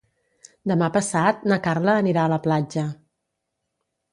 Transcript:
Demà passat na Carla anirà a la platja.